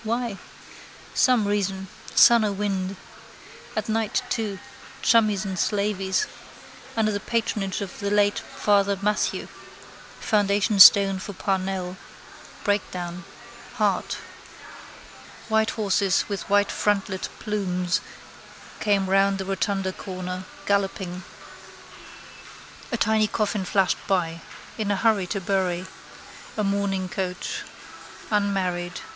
Why? Some reason. Sun or wind. At night too. Chummies and slaveys. Under the patronage of the late Father Mathew. Foundation stone for Parnell. Breakdown. Heart. White horses with white frontlet plumes came round the Rotunda corner, galloping. A tiny coffin flashed by. In a hurry to bury. A mourning coach. Unmarried.